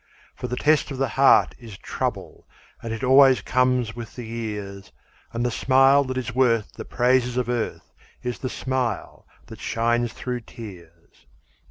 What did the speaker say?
For the test of the heart is trouble, And it always comes with the years, And the smile that is worth the praises of earth Is the smile that shines through tears.